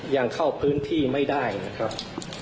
ยังเข้าพื้นที่ไม่ได้นะครับ